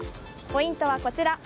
ポイントはこちら。